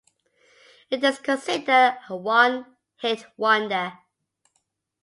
It is considered a one hit wonder.